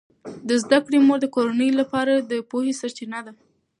د زده کړې مور د کورنۍ لپاره د پوهې سرچینه ده.